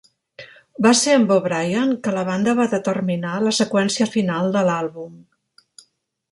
Va ser amb O'Brien que la banda va determinar la seqüència final de l'àlbum.